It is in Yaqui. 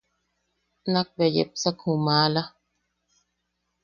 Nakbea yepsak ju maala.